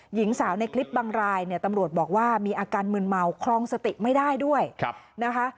หญิงสาวในคลิปบางรายเนี่ยตำรวจบอกว่ามีอาการมืนเมาคลองสติไม่ได้ด้วยนะคะ